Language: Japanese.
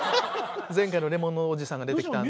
前回の「Ｌｅｍｏｎ」のおじさんが出てきた。